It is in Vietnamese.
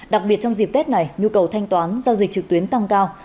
đặc biệt trong dịp tết này nhu cầu thanh toán giao dịch trực tuyến tăng cao